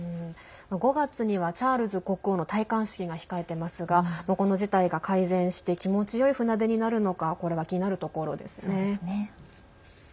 ５月にはチャールズ国王の載冠式が控えていますがこの事態が改善して気持ちよい船出になるのかこれは気になるところですね。